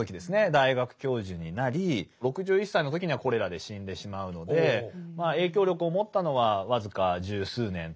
大学教授になり６１歳の時にはコレラで死んでしまうので影響力を持ったのは僅か十数年ということになります。